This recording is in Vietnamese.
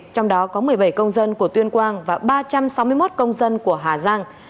trong đó có một mươi bảy công dân của tuyên quang và ba trăm sáu mươi một công dân của hà giang